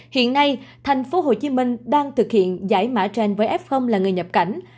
hiện nay thành phố hồ chí minh đang thực hiện giải mã trên với f là người nhập cảnh